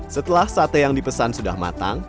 setelah sate yang dipesan sudah matang